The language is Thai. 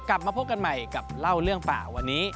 กลับมาพบกันใหม่กับเล่าเรื่องป่าวันนี้